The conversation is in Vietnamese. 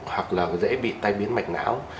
hoặc là dễ bị tai biến mạch não